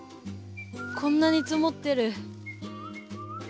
こんなに積もってる。